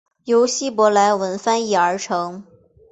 由希伯来文翻译而成。